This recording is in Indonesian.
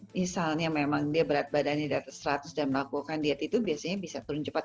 misalnya memang dia berat badannya di atas seratus dan melakukan diet itu biasanya bisa turun cepat